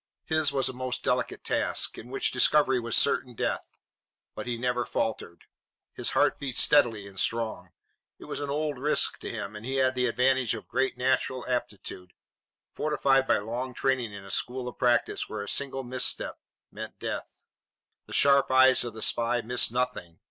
His was a most delicate task, in which discovery was certain death, but he never faltered. His heart beat steadily and strong. It was an old risk to him, and he had the advantage of great natural aptitude, fortified by long training in a school of practice where a single misstep meant death. The sharp eyes of the spy missed nothing.